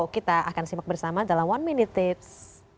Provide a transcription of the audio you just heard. kita akan simak bersama dalam one minute tips